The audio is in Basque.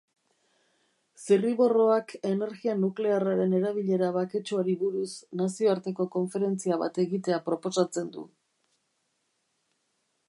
Zirriborroak energia nuklearraren erabilera baketsuari buruz nazioarteko konferentzia bat egitea proposatzen du.